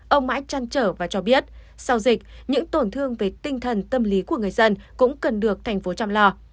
ông mãi trăn trở và cho biết sau dịch những tổn thương về tinh thần tâm lý của người dân cũng cần được tp hcm chăm lo